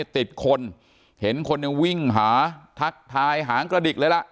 ติดคนเห็นคนยังวิ่งหาทักทายหางกระดิกเลยล่ะ